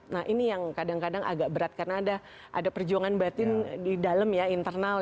nah ini yang kadang kadang agak berat karena ada perjuangan batin di dalam ya internal